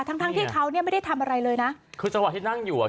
ทั้งทั้งที่เขาเนี่ยไม่ได้ทำอะไรเลยนะคือจังหวะที่นั่งอยู่อ่ะ